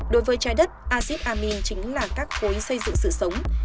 đối với trái đất azib amin chính là các khối xây dựng sự sống